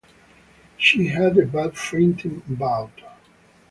She had a bad fainting bout.